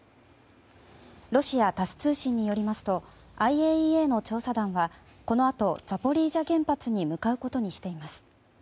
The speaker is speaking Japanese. ロシア、タス通信によりますとＩＡＥＡの調査団はこのあとザポリージャ原発に向かうことにしています。